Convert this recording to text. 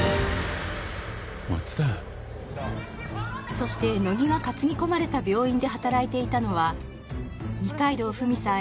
そして乃木が担ぎ込まれた病院で働いていたのは二階堂ふみさん